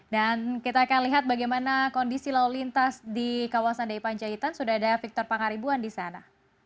dan kita akan lihat bagaimana kondisi lalu lintas di kawasan dipanjaitan sudah ada victor pangaribuan di sana